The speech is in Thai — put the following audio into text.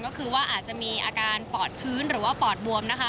ก็คือว่าอาจจะมีอาการปอดชื้นหรือว่าปอดบวมนะคะ